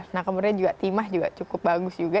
nah kemudian juga timah juga cukup bagus juga